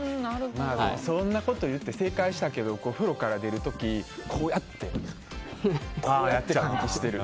そんなこといって正解したけど風呂から出る時こうやって換気してる。